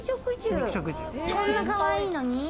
こんなかわいいのに？